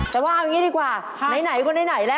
แต่ว่าเอาอย่างนี้ดีกว่าในไหนก็ในไหนละ